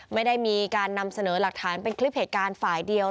ไม่ได้มีการนำเสนอหลักฐานเป็นคลิปเหตุการณ์ฝ่ายเดียว